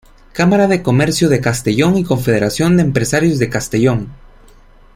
Cámara de Comercio de Castellón y Confederación de Empresarios de Castellón.